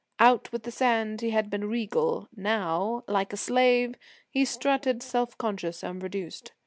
Out with the sand he had been regal; now, like a slave, he strutted self conscious and reduced.